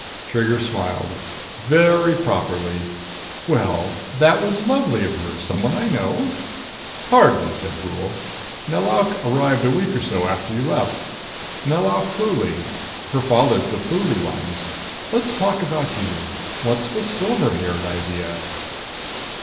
Trigger smiled. "Very properly. Well, that was lovely of her! Someone I know?" "Hardly," said Brule. "Nelauk arrived a week or so after you left. Nelauk Pluly. Her father's the Pluly Lines. Let's talk about you. What's the silver haired idea?"